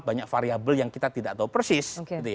banyak variable yang kita tidak tahu persis